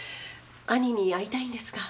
兄に会いたいんですが。